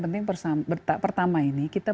penting pertama ini kita